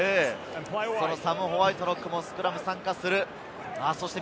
そのサム・ホワイトロックもスクラムに参加する。